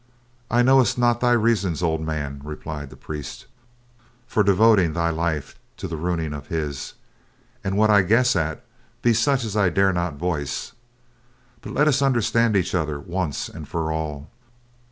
"I know not thy reasons, old man," replied the priest, "for devoting thy life to the ruining of his, and what I guess at be such as I dare not voice; but let us understand each other once and for all.